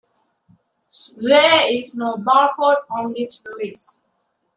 There is no barcode on this release.